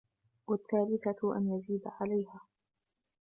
وَالثَّالِثَةُ أَنْ يَزِيدَ عَلَيْهَا